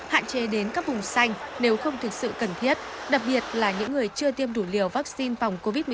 hạn chế đến các vùng xanh nếu không thực sự cần thiết đặc biệt là những người chưa tiêm đủ liều vaccine phòng covid một mươi chín